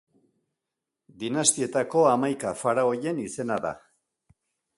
Dinastietako hamaika faraoien izena da.